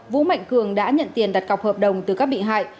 vũ mạnh cường đã nhận tiền đặt cọc hợp đồng từ các bị hại